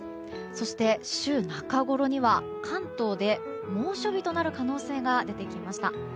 そして、週中ごろには関東で猛暑日となる可能性が出てきました。